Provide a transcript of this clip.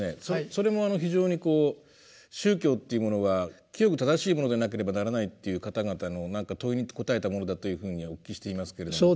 それも非常にこう宗教というものが清く正しいものでなければならないという方々の問いに答えたものだというふうにお聞きしていますけれども。